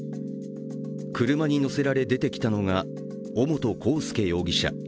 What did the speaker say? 車に乗せられ出てきたのが尾本幸祐容疑者。